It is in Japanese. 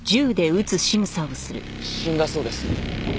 死んだそうです。